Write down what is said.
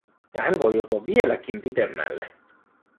Ja hän voi joutua vieläkin pitemmälle.